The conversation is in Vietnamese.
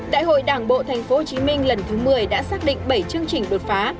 đại hội đảng bộ tp hcm lần thứ một mươi đã xác định bảy chương trình đột phá